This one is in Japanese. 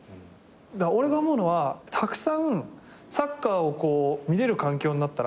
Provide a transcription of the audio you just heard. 俺が思うのはたくさんサッカーを見れる環境になったら。